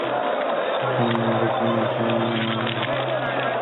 সেজন্য, আমরা প্রতি মাসে আপনাদেরকে ঘুষ দিচ্ছি।